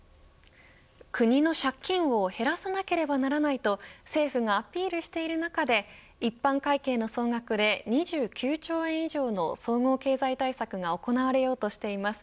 国の借金を減らさなければならないと政府がアピールしている中で一般会計の総額で２９兆円以上の総合経済対策が行われようとしています。